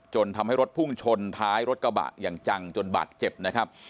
ทำให้รถพุ่งชนท้ายรถกระบะอย่างจังจนบาดเจ็บนะครับ